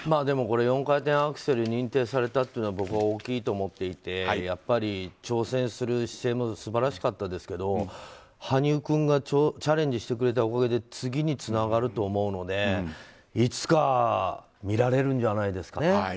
でも４回転アクセル認定されたというのは僕は大きいと思っていてやっぱり挑戦する姿勢も素晴らしかったですけど羽生君がチャレンジしてくれたおかげで次につながると思うのでいつか見られるんじゃないですかね。